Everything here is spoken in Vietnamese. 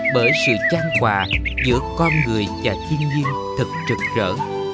bởi sự trang quà giữa con người và thiên nhiên thật trực rỡ